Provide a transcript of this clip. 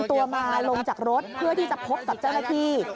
ตัวมาลงจากรถเพื่อที่จะพบกับเจ้าหน้าที่